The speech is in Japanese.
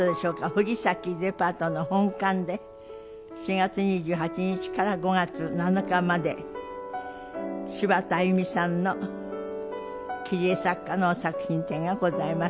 藤崎デパートの本館で４月２８日から５月７日まで柴田あゆみさんの切り絵作家のお作品展がございます。